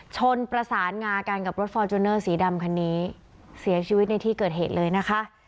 ชนประสานงากันกับรถฟอร์จูเนอร์สีดำคันนี้เสียชีวิตในที่เกิดเหตุเลยนะคะ